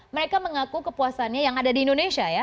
mereka mengaku kepuasannya yang ada di indonesia ya